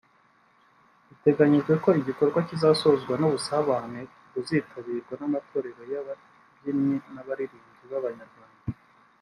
Biteganyijwe ko igikorwa kizasozwa n’ubusabane buzitabirwa n’amatorero y’ababyinnyi n’abaririmbyi b’Abanyarwanda